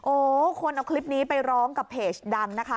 คนเอาคลิปนี้ไปร้องกับเพจดังนะคะ